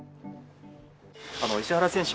石原選手